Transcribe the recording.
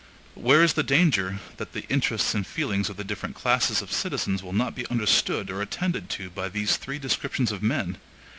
But where is the danger that the interests and feelings of the different classes of citizens will not be understood or attended to by these three descriptions of men?